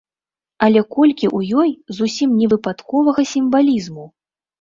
Але колькі ў ёй зусім невыпадковага сімвалізму!